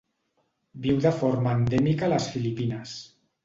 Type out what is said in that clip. Viu de forma endèmica a les Filipines.